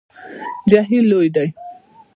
جهیل لوی دی